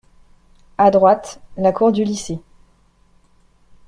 A droite, la cour du lycée.